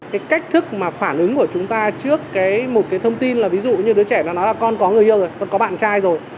cái cách thức mà phản ứng của chúng ta trước một cái thông tin là ví dụ như đứa trẻ nó nói là con có người yêu rồi con có bạn trai rồi